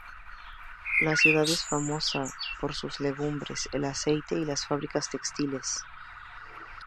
La ciudad es famosa por sus legumbres, el aceite y las fábricas textiles.